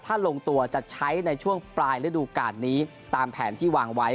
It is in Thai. ถ้าลงตัวจะใช้ในช่วงปลายฤดูการนี้ตามแผนที่วางไว้